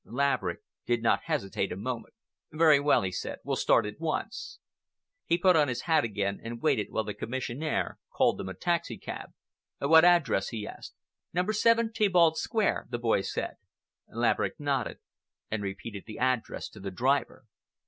Laverick did not hesitate a moment. "Very well," he said, "we'll start at once." He put on his hat again and waited while the commissionaire called them a taxicab. "What address?" he asked. "Number 7, Theobald Square," the boy said. Laverick nodded and repeated the address to the driver.